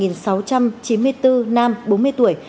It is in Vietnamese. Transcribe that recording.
nam bốn mươi tuổi